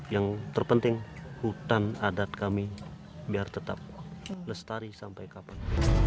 yang terpenting hutan adat kami biar tetap lestari sampai kapan